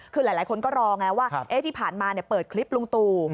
คือหลายคนก็รอไงว่าที่ผ่านมาเปิดคลิปลุงตู่